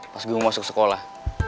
pas gue mau masuk sekolah